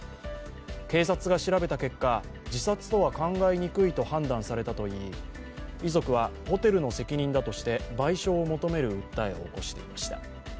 警察が調べた結果、自殺とは考えにくいと判断されたといい遺族はホテルの責任だとして賠償を求める訴えを起こしていました。